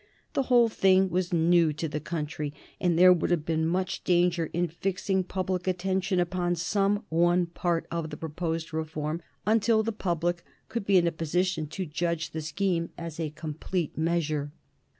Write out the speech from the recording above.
The whole thing was new to the country, and there would have been much danger in fixing public attention upon some one part of the proposed reform until the public could be in a position to judge the scheme as a complete measure.